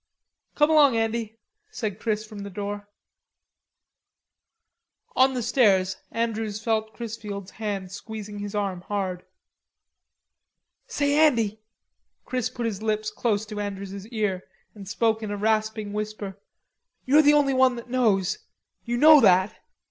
"Come along, Andy," said Chris from the door. On the stairs Andrews felt Chrisfield's hand squeezing his arm hard. "Say, Andy," Chris put his lips close to Andrews's ear and spoke in a rasping whisper. "You're the only one that knows... you know what.